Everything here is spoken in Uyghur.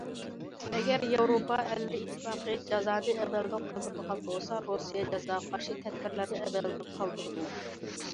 ئەگەر، ياۋروپا ئەللىرى ئىتتىپاقى جازانى ئەمەلدىن قالدۇرىدىغان بولسا، رۇسىيە جازاغا قارشى تەدبىرلىرىنى ئەمەلدىن قالدۇرىدۇ.